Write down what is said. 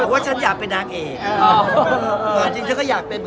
ว่าฉันยาแปนนามเอก